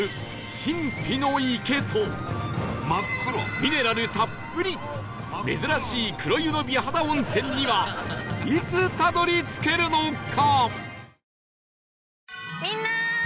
ミネラルたっぷり珍しい黒湯の美肌温泉にはいつたどり着けるのか？